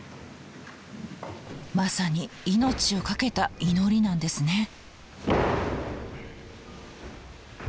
まさに命をかけた祈りなんですね。